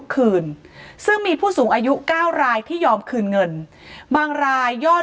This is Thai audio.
คืนซึ่งมีผู้สูงอายุ๙รายที่ยอมคืนเงินบางรายยอด